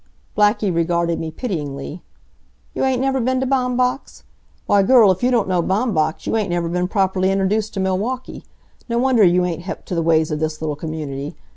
Blackie regarded me pityingly. "You ain't never been to Baumbach's? Why girl, if you don't know Baumbach's, you ain't never been properly introduced to Milwaukee. No wonder you ain't hep to the ways of this little community.